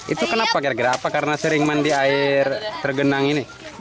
itu kenapa karena sering mandi air tergenang ini